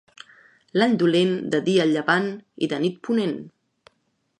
L'any dolent, de dia llevant i de nit ponent.